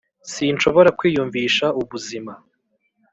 sinshobora kwiyumvisha ubuzima,